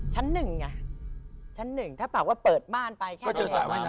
ชั้นหนึ่งถ้าบอกว่าเปิดบ้านไปแค่นี้